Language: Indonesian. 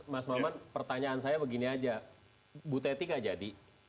mas maman pertanyaan saya begini aja bu teti gak jadi